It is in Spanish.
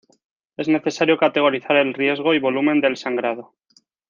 Es necesario categorizar el riesgo y volumen del sangrado.